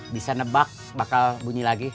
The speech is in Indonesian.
bisa nebak bakal bunyi lagi